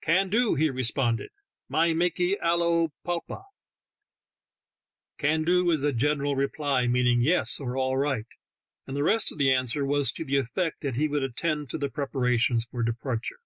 "Can do," he responded. "My makee alio plopa." "Can do" is a general reply, meaning "Yes," or "All right," and the rest of the answer was to the effect that he would attend to the preparations for depar ture.